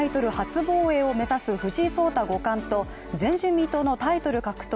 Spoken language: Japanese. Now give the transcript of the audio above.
防衛を目指す藤井聡太五冠と前人未到のタイトル獲得